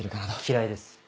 嫌いです。